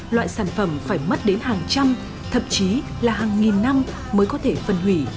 loại sản phẩm phải mất đến hàng trăm thậm chí là hàng nghìn năm mới có thể phân hủy